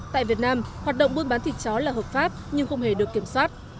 tại việt nam hoạt động buôn bán thịt chó là hợp pháp nhưng không hề được kiểm soát